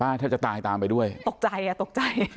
แทบจะตายตามไปด้วยตกใจอ่ะตกใจ